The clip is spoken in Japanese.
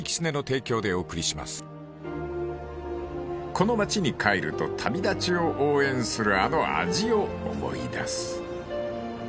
［この町に帰ると旅立ちを応援するあの味を思い出す］